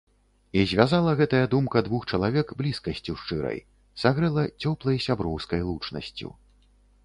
І звязала гэтая думка двух чалавек блізкасцю шчырай, сагрэла цёплай сяброўскай лучнасцю.